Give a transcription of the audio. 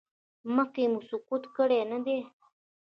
مخکې مو سقط کړی دی؟